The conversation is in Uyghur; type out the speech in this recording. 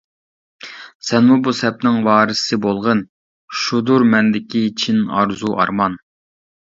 سەنمۇ بۇ سەپنىڭ ۋارىسى بولغىن، شۇدۇر مەندىكى چىن ئارزۇ-ئارمان.